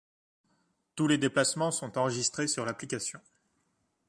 Tous les déplacements sont enregistrés sur l’application.